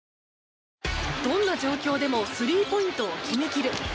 どんな状況でもスリーポイントを決めきる。